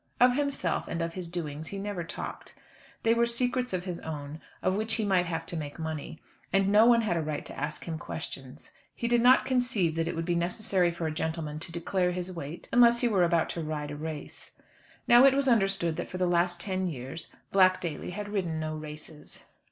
Of himself, and of his doings, he never talked. They were secrets of his own, of which he might have to make money. And no one had a right to ask him questions. He did not conceive that it would be necessary for a gentleman to declare his weight unless he were about to ride a race. Now it was understood that for the last ten years Black Daly had ridden no races.